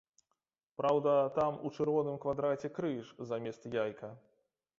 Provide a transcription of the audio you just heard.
Праўда, там у чырвоным квадраце крыж замест яйка.